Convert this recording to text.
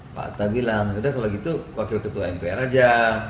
pak akta bilang sudah kalau gitu wakil ketua mpr aja